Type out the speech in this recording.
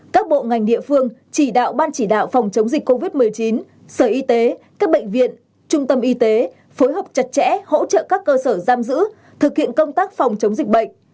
các bộ ngành địa phương chỉ đạo ban chỉ đạo phòng chống dịch covid một mươi chín sở y tế các bệnh viện trung tâm y tế phối hợp chặt chẽ hỗ trợ các cơ sở giam giữ thực hiện công tác phòng chống dịch bệnh